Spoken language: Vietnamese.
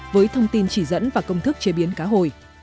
với thông tin chỉ dẫn và công thức chế biến cá hồi